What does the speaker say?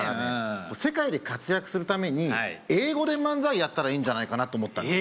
世界で活躍するために英語で漫才やったらいいんじゃないかなと思ったんですよ